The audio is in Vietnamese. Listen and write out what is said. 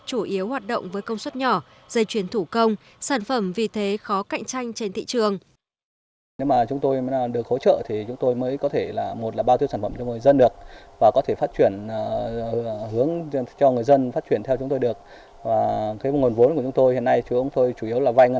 chủ yếu hoạt động với công suất nhỏ dây chuyền thủ công sản phẩm vì thế khó cạnh tranh trên thị trường